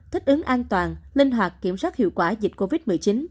thích ứng an toàn linh hoạt kiểm soát hiệu quả dịch covid một mươi chín